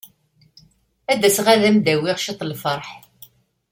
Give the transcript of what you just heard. Ad d-aseɣ ad am-d-awiɣ ciṭ n lferḥ.